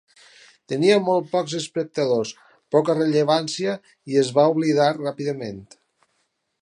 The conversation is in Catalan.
Tenia molt pocs espectadors, poca rellevància i es va oblidar ràpidament.